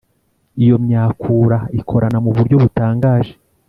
Iyo myakura ikorana mu buryo butangaje